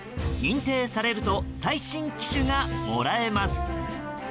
認定されると最新機種がもらえます。